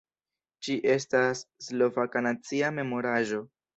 Ĝi estas slovaka nacia memoraĵo.